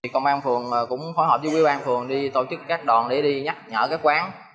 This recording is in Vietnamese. công an phường cũng phối hợp với quý bang phường đi tổ chức các đoàn để đi nhắc nhở các quán